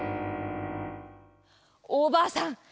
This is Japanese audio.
おばあさん